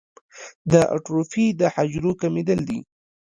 د اټروفي د حجرو کمېدل دي.